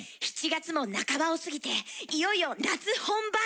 ７月も半ばを過ぎていよいよ夏本番って感じだよね。